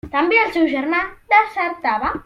També el seu germà desertava.